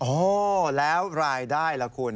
โอ้แล้วรายได้ล่ะคุณ